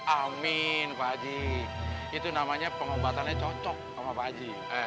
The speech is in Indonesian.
amin pak haji itu namanya pengobatannya cocok sama pak haji